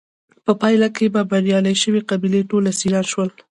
په پایله کې به بریالۍ شوې قبیلې ټول اسیران وژل.